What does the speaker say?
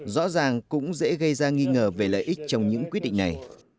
rõ ràng cũng dễ gây ra nghi ngờ về lợi ích trong những quyết định này